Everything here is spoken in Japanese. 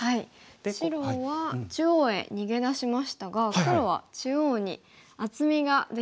白は中央へ逃げ出しましたが黒は中央に厚みができましたね。